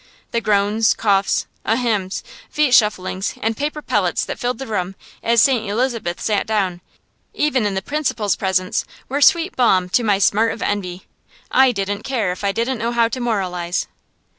The groans, coughs, a hem's, feet shufflings, and paper pellets that filled the room as Saint Elizabeth sat down, even in the principal's presence, were sweet balm to my smart of envy; I didn't care if I didn't know how to moralize.